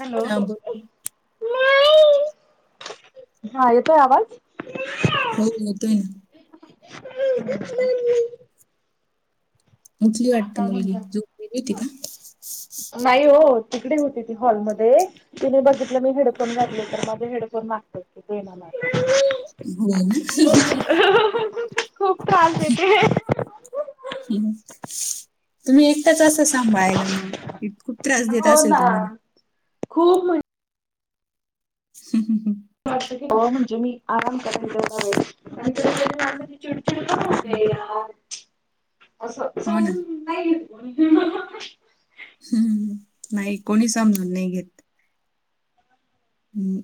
Hello हा बोल हा येतोय आवाज? हो, येतोय ना. हम् उठली वाटत काय मुलगी, म्हणता झोपली होती का? नाही हो, तिकडे होती ती हॉलमध्ये. तिने बघितलं मी हेडफोन घातले, तर माझे हेडफोन मागतो क तेग हो ना खूप त्रास देते. ह तुम्ही एक च असं सांभाळायला मग, खूप त्रास देत हो असेल ना तुम्हाला. खूप मण हम् हम हम्. हो म्हणजे मी आराम कराय थोडा वेळ. चिडचिड पण हम्. होते असं हो ना समजून नाही घेत. हम्म, नाही कोणी समजून नाही घेत. हम्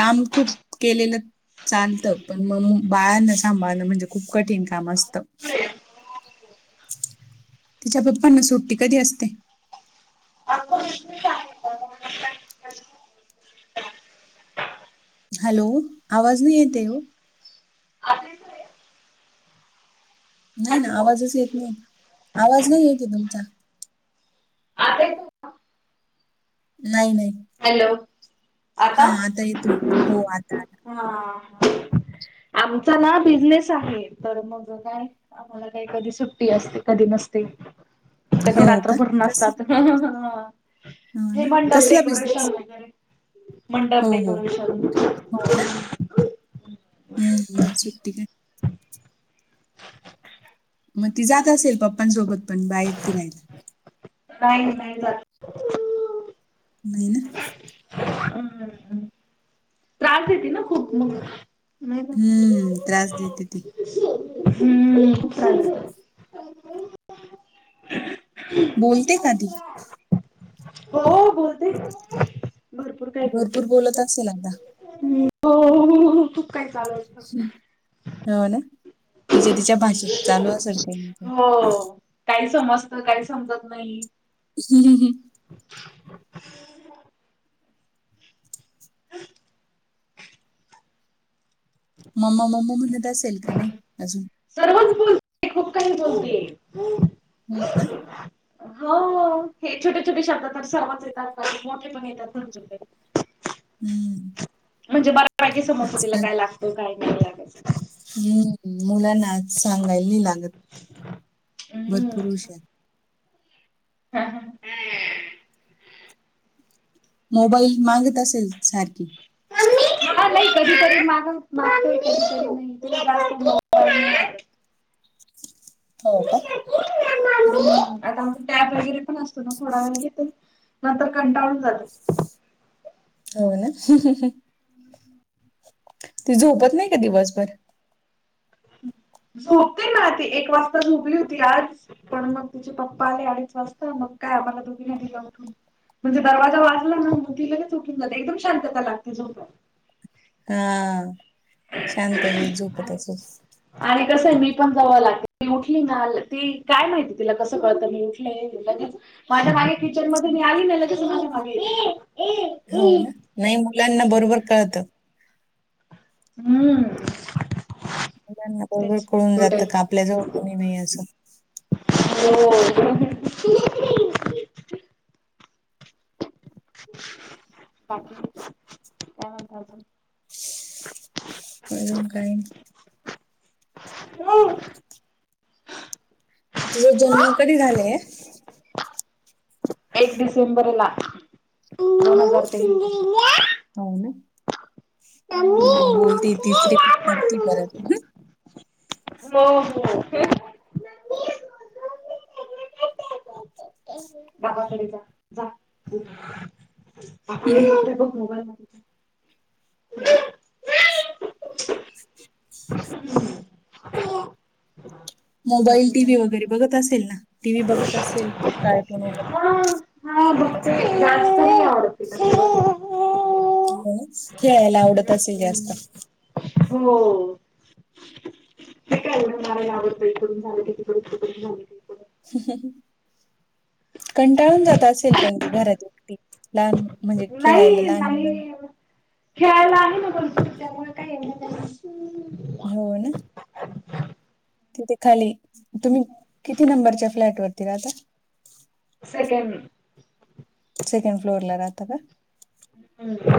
काम खूप केलेलं. चालतं पण मग बाळांना सांभाळणं म्हणजे खूप कठीण काम असतं. तिच्या पप्पांना सुट्टी कधी असते? [unintelligible] हॅलो! आवाज नाही येते हो. [unintelligible] नाही ना हॅलो आवाजच येत नाही आवाज नाही येते तुमचा. आता येतोय नाही नाही हॅलो हा आता येतोय हो आता आता. हा आमचा ना बिझनेस आहे तर मग काय मला काही कधी सुट्टी असते कधी नसते. कधी हो का? रात्रभर कस नसतात हो हे ना. म्हणत कसला बिझनेस? हो, मंडप हो. डेकोरेशन. हम्म सुट्टी का? मग ती जात असेल पप्पांसोबत? पण बाहेर फिरायचं नाही नाही जात. नाही ना. हम् त्रास देते ना खूप मग, नाही का? हं, त्रास देते ती. हम्म त्रास बोलते का ती? हो बोलते भरपूर काय बोलते. भरपूर बोलत असेल आता. हो हो तूप काय चालूय. ह् हो ना तिच्या तिच्या भाषेत चालू असेल काय. हो काही समजत काही समजत नाही. [unintelligible] [inaudible] [inaudible] मम्मा मम्मा म्हणत असेल का नाही अजून? सर्वच बोलते खूप काही बोलतेय. हो का? हो हे छोटे छोटे शब्दात तर सर्वच येतात का मोठे पण येतात. हं. म्हणजे बऱ्यापैकी समजत तिला काय लागतं काय नाही लागल. हम्म मुलांना सांगायला नाही लागत हम्म. भरपूर हुशार. [inaudible] मोबाईल मागत असेल सारखी. ह नाही कधीतरी माग माग ते कधी कधी नाही. हो का? [unintelligible] वगरे पण असतो ना थोड वे नंतर कंटाळून जाते. हो ना. ती झोपत नाही का दिवसभर? झोपते ना ती एक वाजता झोपली होती आज. पण मग तिचे पप्पा आले अडीच वाजता मग काय आम्हाला दोघीना दिलं उठून. म्हणजे दरवाजा वाजला ना मग ती लगेच उठून जाते एकदम शांतता लागते झोपयला. हा शांततेत झोपत आणि असेल. आणि कसंय मी पण जवळ लागते ती उठली ना ती काय माहिती तिला कसं कळतं मी ले लगेच माझ्या मागे किचन मध्ये मी आली ना लगेच माझ्या मागे येते. हो ना. नाही मुलांना बरोबर कळतं. हम्म. मुलांना बरोबर तेच कळून जातं तुटेल का आपल्या जावळ कोणी नाही असं. हो. बाकी काय म्हणता आजुन. अजून काही हो. तुझा जन्म कधी झालाय? एक डिसेंबर ला दोन हजार तेवीस. हो ना हो हम् हो. बोलते तिचं रिपीट करती परत. हो हो. पापाकडे जा जा उठ. हम्म. हे बघ मोबाईल बघ [inaudible] मोबाईल बाकी काय टीव्ही वगैरे म्हणते? बघत असेल ना टीव्ही बघत असेल कार्टुन्स वगैरे. नाही जास्त नाही आवडत तीला. हो खेळायला आवडत असेल हम्म जास्त. हो. उद्या मारायला आवडतय इकडून झाल कि तिकडून, तिकडून झालं कि इकडून. [inaudible] कंटाळून जात असेल पण ती घरात एकटी लहान म्हणजे खेळायला नाही लहान मुलं नाही खेळायला आहे ना भरपूर त्यामुळे काय येवढ काय नाय. हो ना. तिथे खाली तुम्ही किती नंबरच्या फ्लॅट वरती राहाता? सेकेंड. सेकंड फ्लोअर ला राहत का? हम्.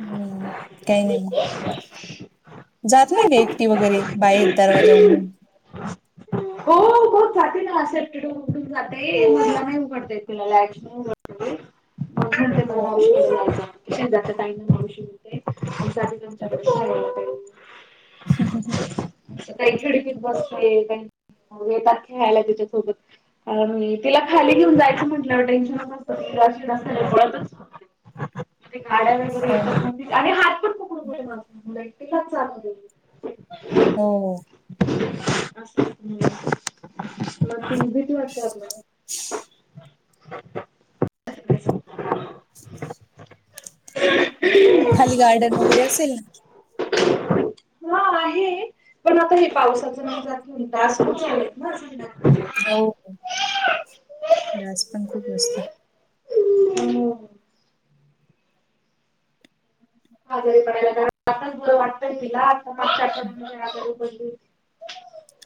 हम्म, काही नाही मग जात नाही का एकटी वगैरे बाहेर दरवाजा उघडुन. हो. हो हो चालेल [unintelligible] [unintelligible] हो ना मावशीकडे जायचं शेजारच्या ताईला मावशी म्हणते आमच्यात तमच्या हो [inaudible] सकाळी खिडकीत बसते काही कावळे येतात खेळायला तिच्या सोबत. मं तिला खाली घेऊन जायचं म्हंटल्यावर टेन्शनच असतशी नळतचं गाड्यांच्या वगेरें हो येतांत- आणि हात पणं पकडू नको माझंच मलां एकटीलांच चालुं दे. हो हो असं मंग तुं भेती वाटते आपल्यांला ह [unintelligible] खाली गार्डन वगैरें असेल नां मंग हो आहे पणं आंता हे पावसांच्या मजांडा असं चालेत नां झं हो डांस पणं खूंप असतांत आजारी पडायला आताचं बरं वाटतंय तिला आंता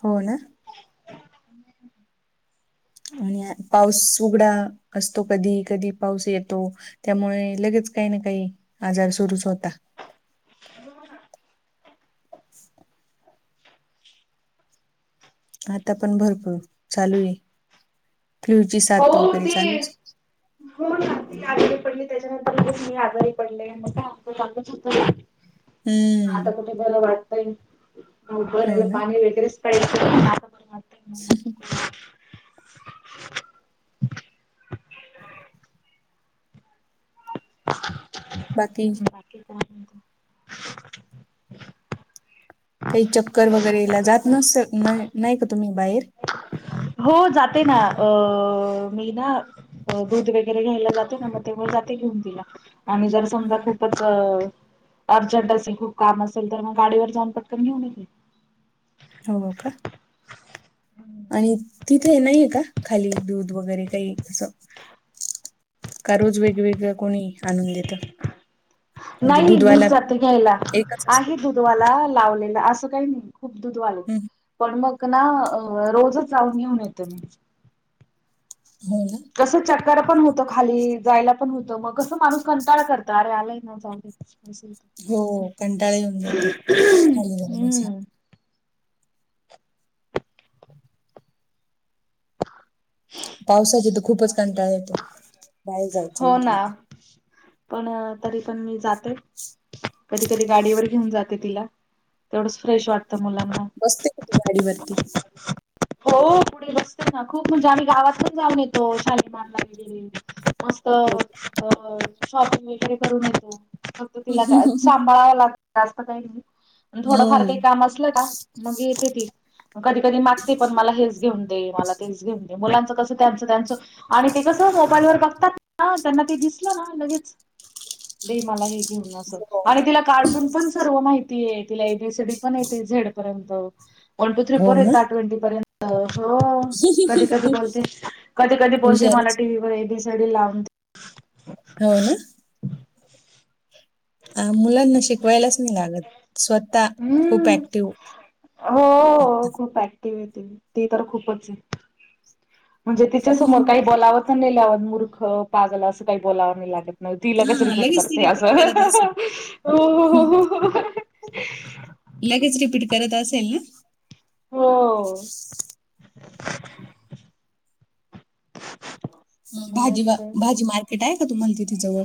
हो नां आणि पाऊस उघडां असतो कधीं कधीं पाऊस येतो. त्यामुळें लगेच कांहीं नां कांहीं आजांर सुरूंच होतात हो [unintelligible] [unintelligible] आंता पणं भरंपूर चालूं आहे फ्लूची साथ हो वगैरें ती चालूंच आहे हो नां ती आजारी पडली त्यांच्यानंतर मी आजारी पडली गं होतं आंता हम्म कुंठे मलां बरं वाटतंय हो उबराला ना पाणी वगैरें क [unintelligible] ह [unintelligible] बाकी बाकी कां कांहीं चक्कर वगैरेंला जातं नसतां कां तुम्हीं बाहेर हो जाते नां ओ मी नां दूधं वगैरें घ्यांयला जाते नां मंग ते मुळें जाते घेऊन तिला आमच्या तिथं जरं समजां खूपचं अं अर्जंट असेल खूंप कामं असेल तरं मंग गांडीवर जाऊंन पटकन घेऊंन येते हो कां आणि तिथे नाहीये कां खाली दूधं वगैरें कांहीं अससं कां रोज वेगवेगळं कोणी आंणून देतं म्हणजे नाहीं मी दूधवाला जात्री घ्यांयला एकच असतो आणि दुध दूधवांला लावलेलं असं कांहीं नाहीं दुधवालं हम्म. पणं मंग नां रोजचं जाऊंन घेऊन येते मी हो नां कसं चक्कर पणं होतं खाली जायलां पणं होतं मंग कसं माणूंस कंटाळा करतो अरे आलांय नां असलं हो कंटाळा येऊन जातो खाली जायला. हम्मं पावसाचे तरं खूपचं हो म्हटलं नां का पणं तरी पणं मी जाते कधीं कधीं गांडीवर घेऊन जाते तिला तेवढंच फ्रेश वाटतं मुलांना बसते किती गाडीवरती हो पुढे बसतं नां खूंप म्हणजे आम्हीं गावांतच जाऊन येतो शालेमारला गे मस्तं हो. शॉपिंग वगैरें करूंन येतो फक्तं तिला कायं सांभाळावं लागतं बाकी असं कांहीं नाहीं थोडंफार कांहीं हम्म कामं असलं कां मंग येते ती कधीं कधीं मागते पणं मलां हेंच घेऊन दे मलां तेचं घेऊन दे मुलांच कसं त्यांच आणि ते कसं मोबाईल वर बघतात ना त्यांना ते दिसलं ना लगेच दे मला हे घेऊन असं हो आणि तिला कार्टून पण सर्व माहितीय तिला एबीसीडी पण येते झेडपर्यंत वन, टू, थ्री, हो फोर ना येत ट्वेंटी पर्यंत हो कधी, कधी बोलते कधी, कधी बोलते मला हुशारच टी व्ही वर एबीसीडी लावून दे होना मुलांना शिकवायलाच लागत स्वतः खूप हम्म ऍक्टिव्ह ह ती तर खूपच आहे म्हणजे तिच्या समोर काही बोलाव व मूर्ख पागल असं काही बोलावं नाही लागत न ती लगेच हा रिपीट ती करते असं रिपीट करत असेल हो, हो, हम्म. हो, हो हो ह लगेच रिपीट करत असेल ना हो भाजी व मुलांच भाजी मार्केट आहे का तुम्हाला तिथे जवळ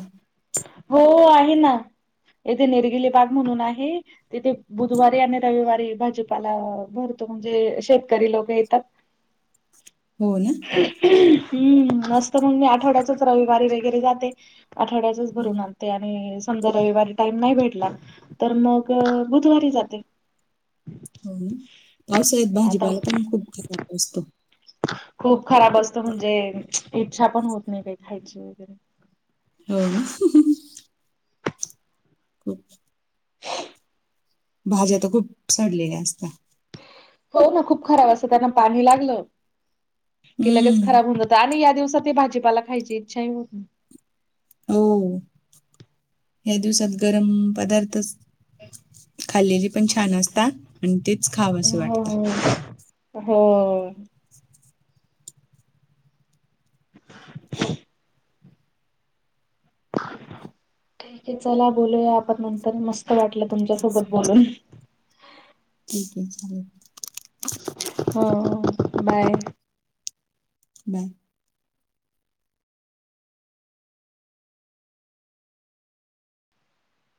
हो आहे ना येथे निरगिले बाग म्हणून आहे तिथे बुधवारी आणि रविवारी भाजीपाला भरतो म्हणजे शेतकरी लोक येतात [unintelligible] हो ना हम्म मस्त मग मी आठवड्याचच रविवारी वगैरे जाते आठवड्याच भरून हम्म. आन आणि समजा रविवारी टाइम नाही भेटला तर मग बुधवारी जाते असं ही आता भाजीपाला पण खूप खराब असतो खूप खराब असत म्हणजे इच्छा पण होत नाही काही खायची हो ना हम्म भाज्या तर खूप सडलेल्या असतात हो ना खूप खराब असं त्यांना पाणी लागलं की लगेच हम्म खराब होऊन जातात आणि या दिवसात ते भाजीपाला खायची इच्छाही होत हो या दिवसात गरम पदार्थच खाल्लेली पण छान असतात आणि तेच खावं अस वाटत हो हो [unintelligible] ठीक आहे चला बोलूया आपण नंतर मस्त वाटलं तुमच्यासोबत बोलून [unintelligible] हो बाय बाय